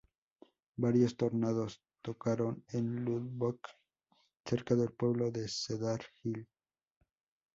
Varios tornados tocaron en Lubbock cerca del pueblo de Cedar Hill.